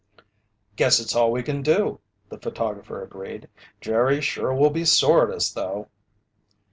"Guess it's all we can do," the photographer agreed. "Jerry sure will be sore at us though."